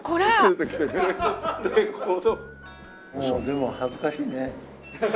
でも恥ずかしいね。